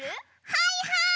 はいはい！